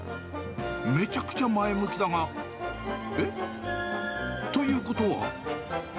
めちゃくちゃ前向きだが、えっ？ということは？